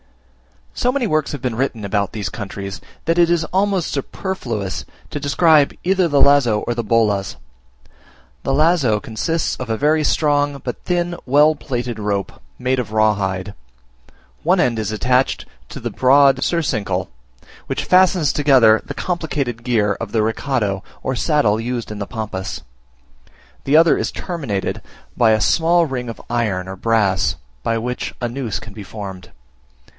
So many works have been written about these countries, that it is almost superfluous to describe either the lazo or the bolas. The lazo consists of a very strong, but thin, well plaited rope, made of raw hide. One end is attached to the broad surcingle, which fastens together the complicated gear of the recado, or saddle used in the Pampas; the other is terminated by a small ring of iron or brass, by which a noose can be formed.